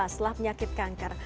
setelah penyakit kanker